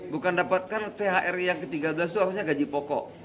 bukan dapatkan thr yang ke tiga belas itu harusnya gaji pokok